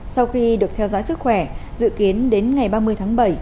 sau khi được theo dõi sức khỏe dự kiến đến ngày ba mươi tháng bảy